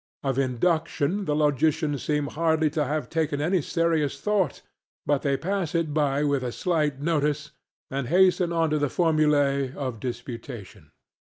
Of induction the logicians seem hardly to have taken any serious thought, but they pass it by with a slight notice, and hasten on to the formulæ of disputation.